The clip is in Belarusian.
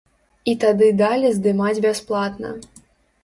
І тады далі здымаць бясплатна.